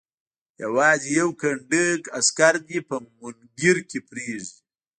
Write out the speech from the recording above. یوازې یو کنډک عسکر دې په مونګیر کې پرېږدي.